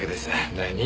何？